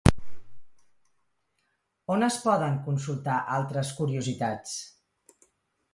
On es poden consultar altres curiositats?